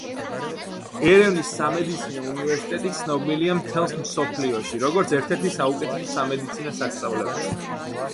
ერევნის სამედიცინო უნივერსიტეტი ცნობილია მთელს მსოფლიოში, როგორც ერთ-ერთი საუკეთესო სამედიცინო სასწავლებელი.